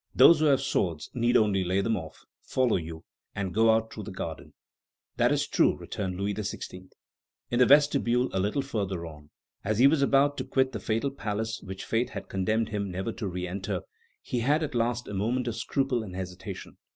Those who have swords need only lay them off, follow you, and go out through the garden." "That is true," returned Louis XVI. In the vestibule, a little further on, as he was about to quit the fatal palace which fate had condemned him never to re enter, he had a last moment of scruple and hesitation.